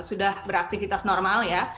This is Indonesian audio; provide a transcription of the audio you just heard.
sudah beraktivitas normal ya